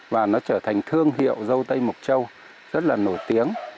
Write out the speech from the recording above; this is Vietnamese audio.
và nó trở thành thương hiệu dâu tây mộc châu rất là nổi tiếng